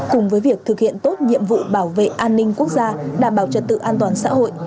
cùng với việc thực hiện tốt nhiệm vụ bảo vệ an ninh quốc gia đảm bảo trật tự an toàn xã hội